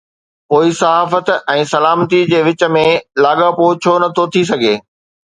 پوءِ صحافت ۽ سلامتي جي وچ ۾ لاڳاپو ڇو نٿو ٿي سگهي؟